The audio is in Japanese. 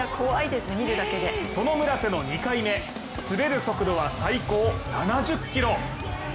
その村瀬の２回目、滑る速度は最高７０キロ。